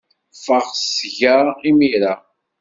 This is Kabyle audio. Ffeɣ seg-a imir-a.